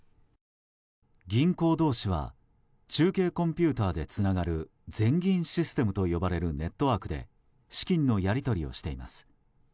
銀行同士は中継コンピューターでつながる全銀システムと呼ばれるネットワークで資金のやり取りをしています。